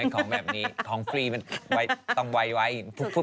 ของแบบนี้ของฟรีมันต้องไว